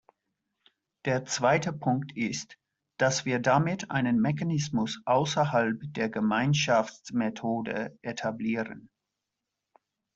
Der zweite Punkt ist, dass wir damit einen Mechanismus außerhalb der Gemeinschaftsmethode etablieren.